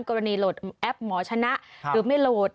โหลดแอปหมอชนะหรือไม่โหลด